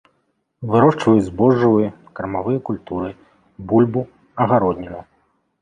Вырошчваюць збожжавыя, кармавыя культуры, бульбу, агародніну.